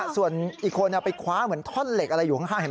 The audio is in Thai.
ส่วนอีกคนไปคว้าเหมือนท่อนเหล็กอะไรอยู่ข้างเห็น